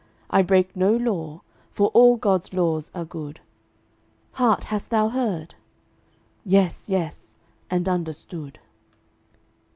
I break no law, for all God's laws are good. Heart, hast thou heard?" "Yes, yes; and understood."